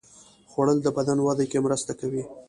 خوړل د بدن وده کې مرسته کوي